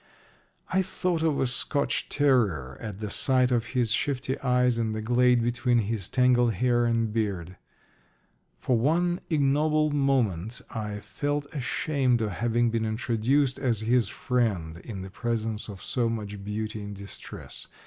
I thought of a Scotch terrier at the sight of his shifty eyes in the glade between his tangled hair and beard. For one ignoble moment I felt ashamed of having been introduced as his friend in the presence of so much beauty in distress.